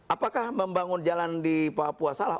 apakah membangun jalan di papua salah